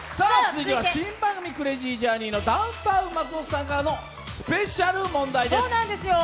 続いては新番組「クレイジージャーニー」、ダウンタウン・松本さんからのスペシャル問題です。